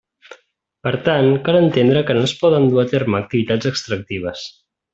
Per tant, cal entendre que no es poden dur a terme activitats extractives.